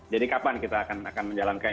jadi kapan kita akan menjalankannya